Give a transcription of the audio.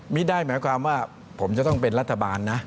ไม่ได้หมายความว่าผมจะต้องเป็นรัฐบาลนะ